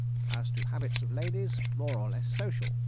As to habits of ladies, more or less social.